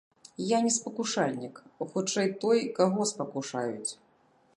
Я не спакушальнік, хутчэй, той, каго спакушаюць.